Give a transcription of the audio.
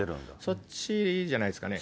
そっちじゃないですかね。